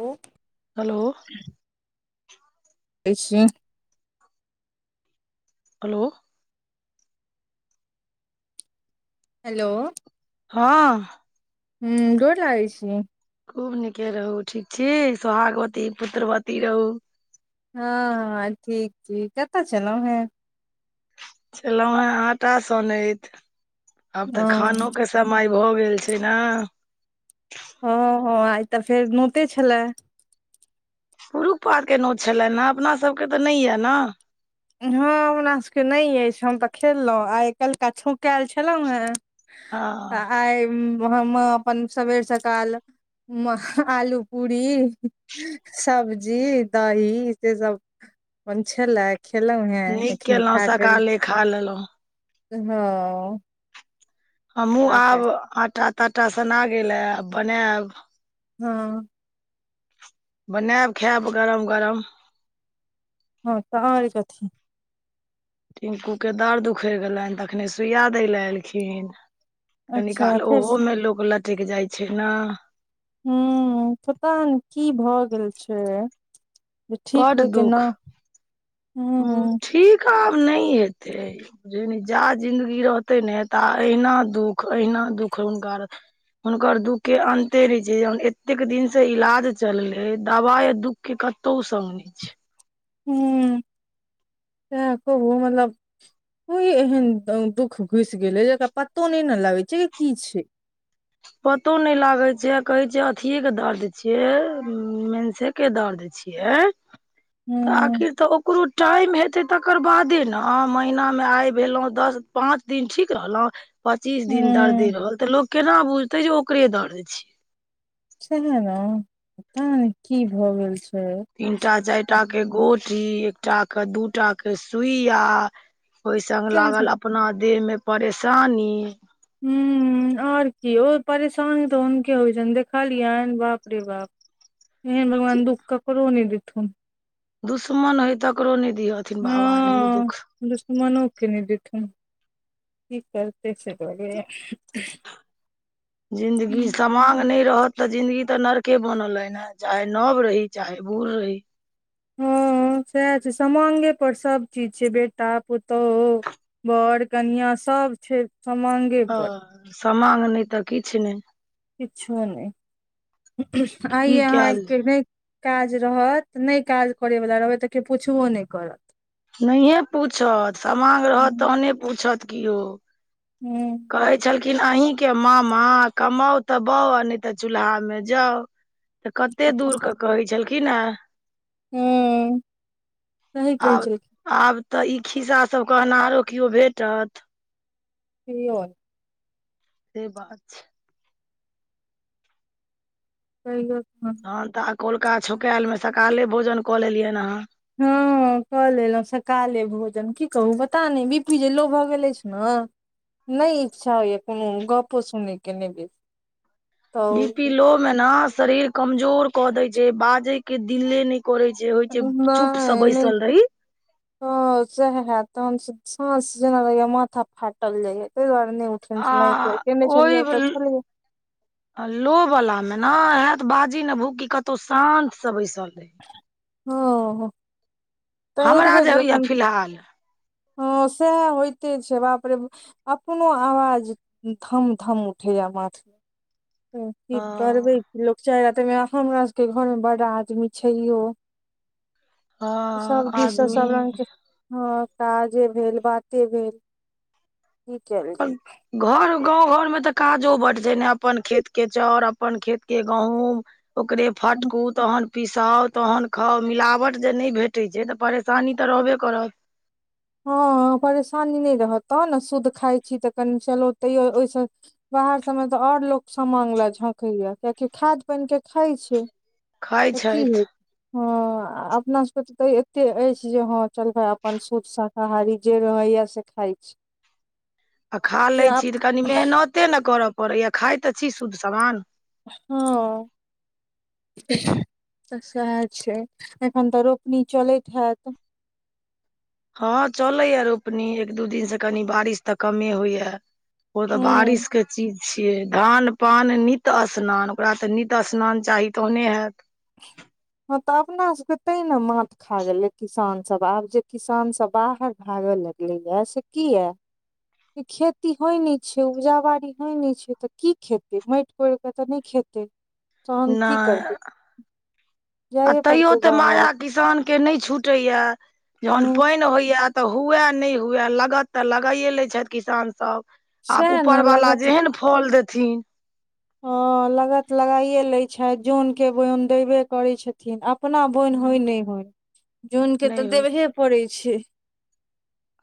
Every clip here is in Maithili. ओ। हेलो। के छी? हेलो। हेलो। हँ। हुं गोर लागै छी। खूब नीके रहू ठीक छी, सोहागवती पुत्रवती रहू। हँ ह ठीक छी, कतऽ छलहुं हें छलहु हें आटा सनैत, आब ओ तऽ खानो के समय भऽ गेल छै ने। हँ हँ आइ तऽ फेर नोते छले। पुरुखपात के नोत छले ने, अपना सबके तऽ नहि छलेहे ने। हँ हमरा सबके नहि अछि हम तऽ खेलहुँ, आइ काल्हि के छौंकायल छलहुँ हेँ तऽ हँ आइ हम अपन सवेर सकाल आलू पूरी सब्जी दही से सब अपन छलै। खेलहुॅं हें, नीक एखन केलहुँ खा कऽ सकाले खा लेलहुँ हमहुँ आब आटा ताटा सना गेले आस बनायब। हँ। बनायब खायब गरम गरम। हँ त और कथि। टिन्कू के दर्द उखड़ि गेलनि त अखने सुइया दै ले एलखिन। कनी अच्छा काल फेर ओहोमे लोक लटैक जाइ छै ने हुं पता नै की भऽ गेल छै? जे ठीक होयके नाम हं ठीक आब नहि हेतै। बुझु जा जिन्दगी रहतै ने ता अहिना दुःख अहिना दुःख हुनका हुनकर दुःख के अन्ते नै छै, एते दिन से इलाज चलले दवाई दुख के कतौ स नै छै। हुं त कहु मतलब कि एहन दुःख घुसि गेलै जेकरा पतो नहि ने लगै छै कि की छै। पतो नहि लागे छै कहे छ अथिये के दर्द छिये मेंसे के दर्द छै। छियै तऽ हूँ आखिर तऽ ओ ककरो टाइम हेतै तकर बादे ने, महीनामे आइ भेलहुँ दस पाँच दिन ठीक रहलहुँ पचीस दिन दर्दे हूँ रहल ते लोक केना बुझते जे ओकरे दर्द छै। सही मे पता नै की भऽ गेल छै। तीनटा चारि टा के गोटी, एकटा के दूटा के सुइया ओहिसंग सएह ने लागल अपना देह मे परेशानी। हूँ। और की ओ परेशानी तऽ हुनके होइ छैन देखलियैन बाप रे बाप। एहन भगवान दुख ककरो नै देथुन। दुश्मन हइ तकरो नहि दिहथिन बाबा एहन हँ दुःख। दुश्मनो के नहि देथुन, की करतै से लगैयै जिन्दगी समांग नहि रहत तऽ जिंदगी त नरके बनल अहि ने चाहे नव रही चाहे बूढ़ रही। हँ सएह छै समाङ्गेपर सभचीज छै बेटा, पुतहु बर, कनियां सब छै समांग ह समांग नहि तऽ किछ नहि। किछो नै की आइए अहाँ कैल एक [unintelligible] काज रहत नै काज करैबला रहबै तऽ के पुछबो नै करत। नहिए पूछत समांग रहत तहने पूछत किओ। हूं कहै छलखिन अहींके मामा कमाउ तऽ बाउ आ नै तऽ चूल्हा मे जाउ। तऽ कते दूर के कहै छलखिन एं। हूं सही कहै आब छलखिन आब तऽ इ खिस्सा सब कहनाहरो किओ भेटत। कियो नै। से बात छै। [unintelligible] तहन तऽ कौलका छौंकेलमे सकाले भोजन कऽ लेलियैनि अहां हं हँ कऽ लेलहुँ सकाले भोजन की कहू पता नै बी पी जे लो भऽ गेल अछि न नै इच्छा होइयै कोनो गपो सुनै के नै बेस बी पी लो में न शरीर कमजोर क दै छै बाजै के दिले नै करै छै होइ छै चुप स बैसल रही। हं सैहे तहन स सांझ स जेना लगैयै माथा फाटल जाइए तै दुआरे नहि उठ आ छलौं एक बेर केने छलियै तऽ छलैयै अ लो बला में न हैत बाजी ने भूकी कतौ शान्त से बैसल रही। ह ह तऽ एक हमरा बेर जे होइया जखन फिलहाल ह सैह होइते छै, बाप रे अपनो आवाज धम धम उठैया माथमे की करबै हँ कि लोक चाइर आ तै में हमरा सबके घरमे बड़ आदमी छैहो। हँ सब दिस स सब आदमी रंगके हँ काजे भेल बाते भेल कि कैल घर गाँव घरमे तऽ काजो बड छै ने अपन खेत के चौर अपन खेत के गहुम ओकरे फटकु तहन पिसाउ तहन खाउ मिलावट जे नहि भेटै छै त परेशानी तऽ रहबे करत। हँ परेशानी नै रहत तहनने शुद्ध खाइ छी तऽ कनी चलू तैयो ओहिस बाहर सब मे तऽ और लोग समांग ले झंकैया कियाकि खाद पानि के खाइ छै। खाइत त कि छथि हेतै? हँ अपना सबके तऽ एते अछि जे हँ चल भाइ अपन शुद्ध शाक आहारी जे रहैय से खाइ छी। आ खा से लै आब छी तऽ कनी मेहनते ने करय पड़ैया खाइत तऽ छी शुद्ध समान। हॅं। तऽ सैहै छै, एखन तऽ रोपनी चलैत हैत। हँ चलै या रोपनी एक दू दिन से कनी बारिस तऽ कमे होइया। ओ तऽ हूँ बारिस के चीज छियै धान पान नित स्नान ओकरा तऽ नित स्नान चाहि तहने हैत। [inaudible] हँ तऽ, अपनासबके तै ने मात खा गेलै किसानसब आब जे किसानसब बाहर भागल क गेलैया से किए खेती होइ नै छै, उपजा बाड़ी होइ नै छै, तऽ कि खेतै माइट कोरि कऽ तऽ नै खेतै। तहन नै की करतै आ जाइए तैयो पड़तै तऽ, माया बाहर किसान के नै छुटैया जहन ह पाइन होइया तऽ हुए नै हुए लागत तऽ, लगाइए लैत छथि किसानसब। आब सएह ने उपरबाला लागत जेहन फल देथिन। हँ लगत लगाइए लैत छइथ जोनके बोन देबे करैत छथि अपना बोन होय नई होयन जोनके नहि तऽ, होय देबहे पड़ै छै।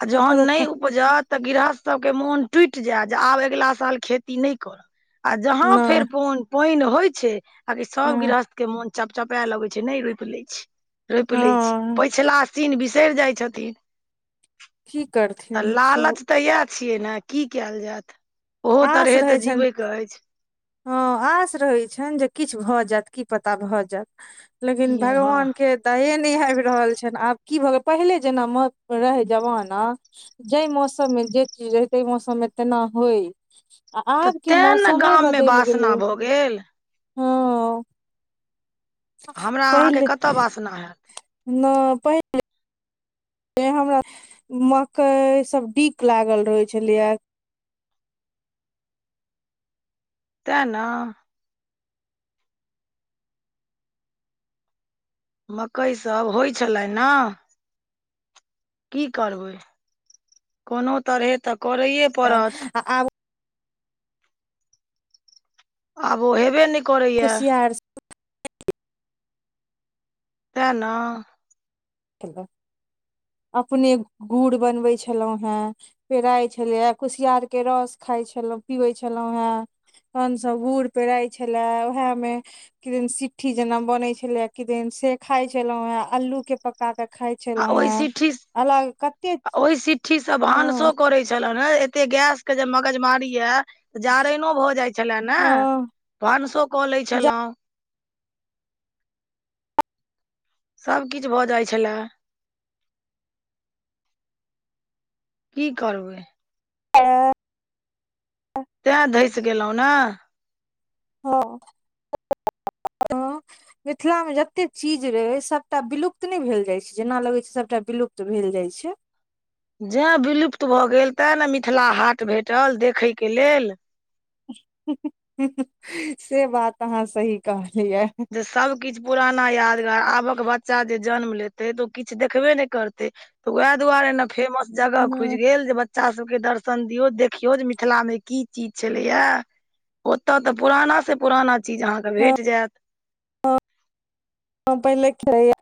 आ जहन ककरो नय ख उपजत तऽ, गिरहस्थ सभके मोन टुटि जायत जे आब अगिला साल खेती नई करब। आ जहा फेर नहि प पाईन होइ छै, आकी सब हँ गृहस्थ के मन चपचपा लगै छै, नई रोइप लै छी, रोइप लै छी, हँ पछिला सीन बिसइर जाइ छथिन। की करथिन। तऽ छौ लालच तऽ, इएह छियै ने की कयल जायत ओहो आस तरहे तऽ रहै छनि जीवैके अइछ। हँ आश रहै छैन, जे किछु भऽ जायत की पता भऽ जायत लेकिन की हँ भगवान के दये नहि आइब रहल छैन, आब की भऽ गेल पहिले जेना रहै जमाना जाई मौसम मे जे चीज रहे तय मौसम मे तेना होइ। आ तऽ आब के तें ने मौसमे गाममे बदईल गेलै वासना भऽ गेल हँ। हमरा अहाँके कतय वास ना हैत नई पहिलै त हमरा मकई सब डीक लागल रहैत छलैया। ते नऽ। मकइ सभ होइ छलै नऽ। की करबै कोनो तरहे तऽ, करैए आब आब ओ हेबे नई करैये। कुसियार तै नऽ,। अपने गुड़ बनबै छलहुँं हेँ पेराइ छलैए, कुसियारके रस खाइ छलहुँ पियैत छलहुँ हेँ, तहन सँ गुड़ पेराय छलए उएह मे किदन सि्ठी जेना बनैत छलै, किदिन से खााय छलहुँ हे अल्लू के पक पका क खाइ छलहुँं हें अलग कते आ ओई सिट्ठी स भानसो हँ करैत छलौ रह कते गैस के जे मगज मारी य त जारैनो भऽ जाइ छले ने हँ भानसो कऽ लै छलहुँ, सभ किछु भऽ जाइ छलै। की करबै आ तैं धसि गेलहुँ नऽ। हँ। [inaudible] मिथिलामे जते चीज रहय सबटा विलुप्त नै भेल जाय छैय जेना लगय छैय सबटा विलुप्त भेल जाय छैय। जैँ विलुप्त भ गेल तैँ ने मिथिला हाट भेटल देखयके लेल। से बात अहाँ सही कहलियै। जे सबकिछु पुराना यादगार आबक बच्चा जे जन्म लेतै त ओ किछु देखबे नहि करतै। त वएह दुआरे ने फेमस जगह हँ खुजि गेल जे बच बच्चा सबके दर्शन दियौ देखियौ जे मिथिलामे की चीज छलैये। ओतऽ त पुराना स पुराना चीज अहाँके भेट जैत। हँ पहिले [unintelligible]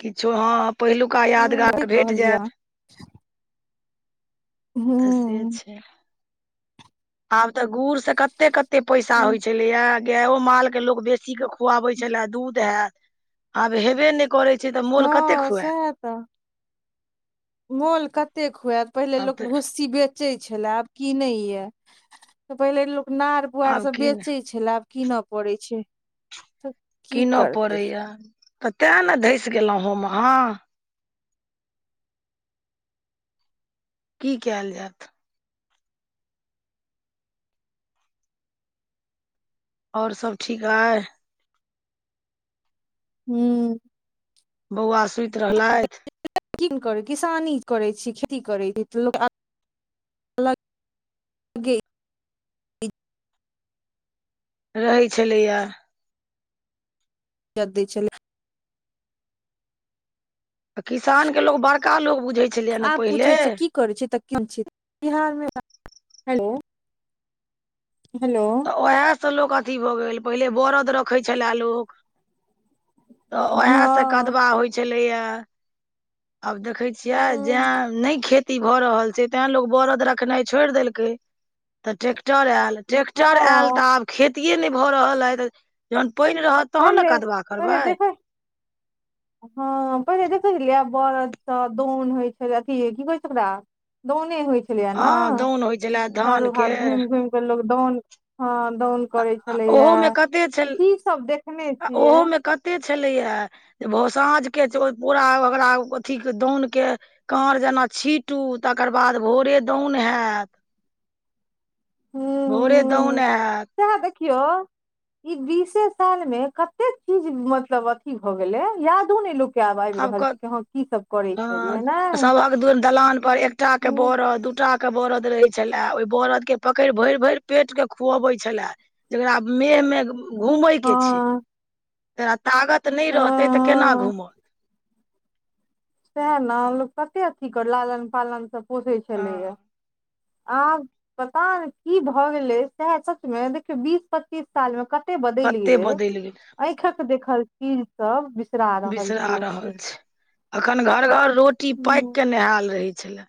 किछो हँ पहिलुका ह यादगार भेट कहलियै जैत। तऽ हूँ। से छैय। आब त गुड़ से कते- कते पैसा होइ हँ छलैये। गएयो माल के लोग बेसी के खुआबै छले दूध हेत आब हेबे नहि करै छैय त मोल कतेक खुएत। उहे त। मोल कतेक खुएत पहिले आब लोक तऽ भुस्सी बेच बेचय छले आब कीनइ ये पहिले लोक नार पुआर आब सब कीन बेचय छेलै आब कीनऽ पड़य छैय त। कीनऽ पड़ै या त तैं ने धैंस गेलहुँ हम अहाँ। की कैल जैत। आओर सब ठीक अइ। हू। बौआ सुति रहलैथ। की करै किसानी करै छैय खेती करै छैय त लोक रहै छलैया। [unintelligible] छलै। त किसानके लोक बड़का लोक बुझै छलै ने पहिले। [unintelligible] बिहारमे हो हेलो। ओहे से लोक अथी भ गेल पहिले बरद रखै छलए लोक। ओहे से हँ कदवा होइ छलैए आब देखै छियै जैं हूँ नय खे खेती भ रहल छैय तैं लोक बरद रखनाइ छोड़ देलकै त ट्रैेक्टर आयल। ट्रेकटर आयल त हँ आब खेतिये नहि भ रहल अइ जहन पाइन रहत तहन ने पहिले कदबा पहिले करबै। देखै हँ पहिले देखैय रहियै बरद स दौन होइ छले अथि की कहै छैय ओकरा दौने होइ छलैया न हँ दौन होइ छलए धान चारु के भाग घुइम-घुम के लोग दाउन ह दाउन करै आ छलैया ओहो मे कते छल की सब देख आ ओहोमे कते छलैएया जे भो साँझके पूरा ओकरा अथीक दौनके काँर जेना छीँटू तकर बाद भोरे दौन हैत। भोरे दौन हैत। की यौ। इ बीसे सालमे कतेक चीज मतलब अथी भ गेले यादो ने लोक के आबि आब रहल छै कि हँ की सब करै छलियै ने क-सभक दु- दलान पर एकटा क हूँ, बरद दूटा के बरद रहे छले ओहि बरद के पकड़ि भरि -भरि पेट के खुअबे छलै। जेकरा मेह मे घूमय के छै। हँ तेटरा तागत नहि हँ रहतै तऽ केना घूमत। सएह ने लोक कते अथी कर लालन पालनसँ पोषै हँ छलैया। आब पता नहि की भऽ गेलै सैह सच में देखियौ बीस पच्चीस साल मे कतेक बदैल कते गेलै बदलि गेल अंयखक के देखल चीज सब बिसरा रहल छै बिसरा लोक रहल के। छै अखन घर- घर रोटी पाकिक नहायल रहै छलए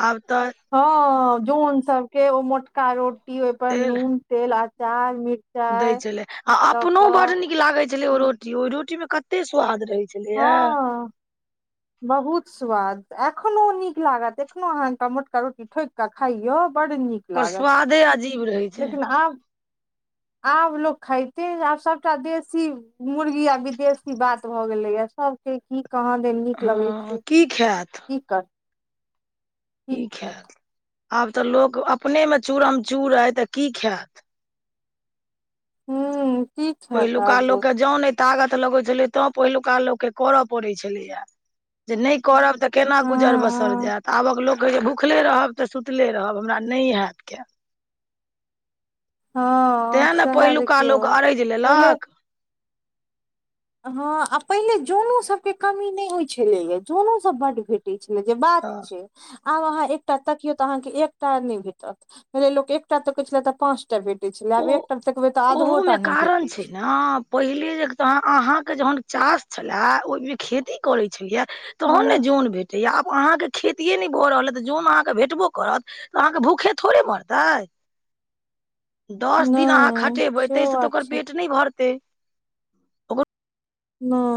आब तऽ। हँ जोन सबके ओ मोटका रोटी ओहिपर तेल नून तेल अचार मिर्च दै छलै, आ अपनो बड्ड नीक लागैत छलै ओ रोटी ओहि रोटी मे कते स्वाद रहैत। छेलियै। हँ बहुत स्वाद एखनो नीक लागत एखनो अहाँक मोटका रोटी ठोइक खाइयऔ बड़ नीक ओकर लागत स्वादे अजीब रहे। लेकिन आब। आब लोक खाइते नहि आब सबटा देसी मुर्गी आ विदेशी बात भऽ गेलै या सबके की कहाँ देन नीक लगै हँ छै खायत की करते। की खायत आब तऽ लोक अपनेमे चूरम- चूर अइ तऽ की खायत। हूं। पहिलुका लोक के जान ए तागत लगैत छलै तों पहिलुका लोकके करय पड़े छलैय जे नहि करब तऽ केना गुजर हँ बसर हँ जायत आबक लोक कहैत छै भुखले रहब तऽ सुतले रहब हमरा नहि होयत कैल। हँ तें ने सहै पहिलुका देखियो लोक अरैज पहिले लेलक हँ आ पहिले जाॅनो सबके कमी नहि होइ छलैया, जनो सब बड भेट टै छलै जे बात तऽ छै आब अहाँ एकटा तकियौ तऽ अहाँके एकटा नहि भेटत, पहिले लोक एकटा तकै छलै तऽ पाँच टा भेटैत छलै ओ आब एकटा तकबै तऽ आधो ओहोमे टा नहि कारण भेटैत छै। ने पहिले जे तऽ अहाँके जहन चास छले ओहिमे खेती करे छलियए तहन ह ने जाॅन भेटैया आब अहाँके खेतिए नहि भऽ रहल अइ तऽ जाॅन अहाँके भेटबो करत तऽ अहाँके भूखे थोड़े मरतै। दस दिन अहाँ नहि खटेबै तै से तऽ बात ओकर छै पेट नहि भरतै। ओकरो नैऽ।